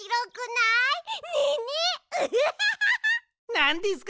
なんですか？